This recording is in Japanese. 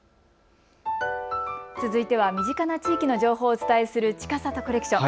続いては身近な地域の情報をお伝えするちかさとコレクション。